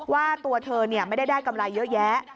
ว่าตัวเธอไม่ได้ได้กำไรเยอะแยะ